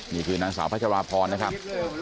นี่คือนางสาวพัชราพรนะครับ